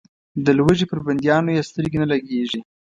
د لوږې پر بندیانو یې سترګې نه لګېږي.